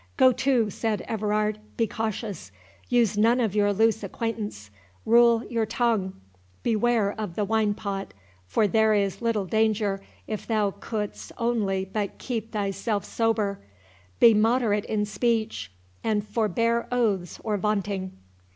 "Go to," said Everard; "be cautious—use none of your loose acquaintance—rule your tongue—beware of the wine pot—for there is little danger if thou couldst only but keep thyself sober—Be moderate in speech, and forbear oaths or vaunting."